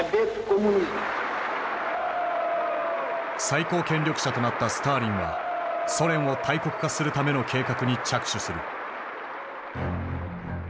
最高権力者となったスターリンはソ連を大国化するための計画に着手する。